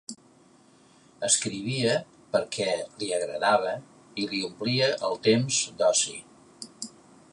Escrivia perquè li agradava i li omplia el temps d'oci.